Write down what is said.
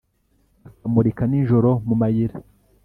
bakamurika nijoro mumayira